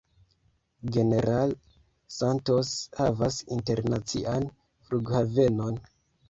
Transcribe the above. General Santos havas internacian flughavenon.